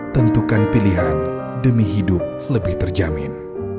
tentukan pilihan demi hidup lebih terjamin